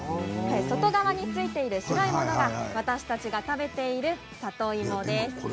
外側についている白いものが私たちが食べている里芋です。